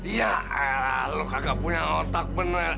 iya lah lo kagak punya otak bener